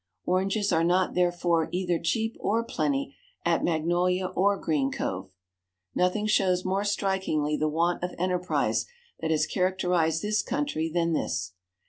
Oranges are not, therefore, either cheap or plenty at Magnolia or Green Cove. Nothing shows more strikingly the want of enterprise that has characterized this country than this.